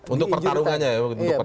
untuk pertarungannya ya